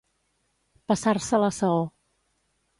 Passar-se la saó.